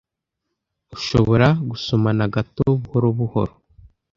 Ushobora gusomana gato buhoro buhoro?